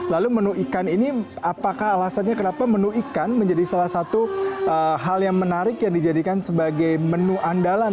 lalu menu ikan ini apakah alasannya kenapa menu ikan menjadi salah satu hal yang menarik yang dijadikan sebagai menu andalan